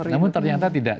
namun ternyata tidak